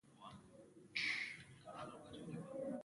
د ژبارواپوهنې په نوم یوه څانګه رامنځته کوي